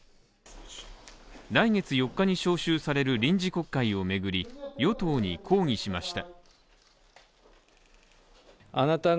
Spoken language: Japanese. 来月４日に召集される臨時国会を巡り与党に抗議しました。